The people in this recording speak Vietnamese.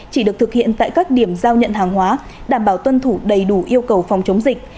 chỉ được thực hiện tại các điểm giao nhận hàng hóa đảm bảo tuân thủ đầy đủ yêu cầu phòng chống dịch